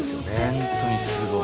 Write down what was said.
本当にすごい。